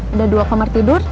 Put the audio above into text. udah dua kamar tidur